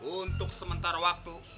untuk sementara waktu